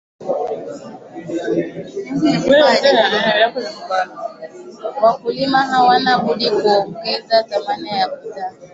wakulima hawana budi kuongeza thamani ya budhaa